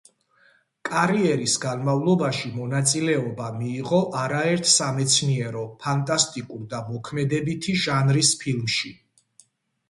კარიერის განმავლობაში მონაწილეობა მიიღო არაერთ სამეცნიერო ფანტასტიკურ და მოქმედებითი ჟანრის ფილმში.